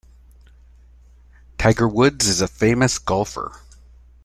Tiger Woods is a famous golfer.